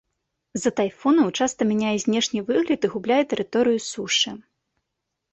З-за тайфунаў часта мяняе знешні выгляд і губляе тэрыторыю сушы.